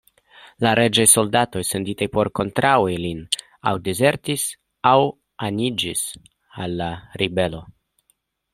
La reĝaj soldatoj senditaj por kontraŭi lin aŭ dizertis aŭ aniĝis al la ribelo.